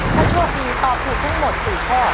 ถ้าโชคดีตอบถูกทั้งหมด๔ข้อ